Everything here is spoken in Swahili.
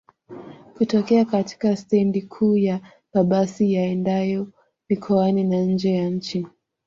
kutokea katika stendi kuu ya mabasi yaendayo mikoani na nje ya nchi